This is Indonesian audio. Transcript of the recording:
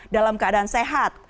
dalam keadaan sehat